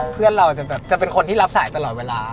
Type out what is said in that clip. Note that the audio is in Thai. เพื่อนเราจะเป็นคนที่รับสายตลอดเวลา